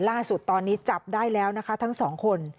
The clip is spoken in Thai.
ล่าสุดตอนนี้จับได้แล้วนะคะทั้งสองคน